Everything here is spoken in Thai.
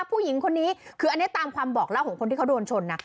ผู้หญิงคนนี้คืออันนี้ตามความบอกเล่าของคนที่เขาโดนชนนะ